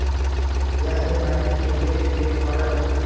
Ya'ni, vakillik juda yuqori